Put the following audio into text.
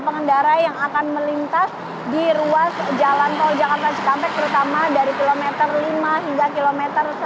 pengendara yang akan melintas di ruas jalan tol jakarta cikampek terutama dari km lima hingga km sembilan lima